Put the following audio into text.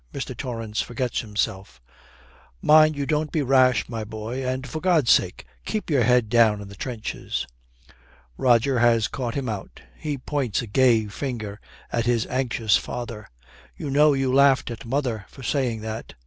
Mr. Torrance forgets himself. 'Mind you don't be rash, my boy; and for God's sake, keep your head down in the trenches.' Roger has caught him out. He points a gay finger at his anxious father. 'You know you laughed at mother for saying that!'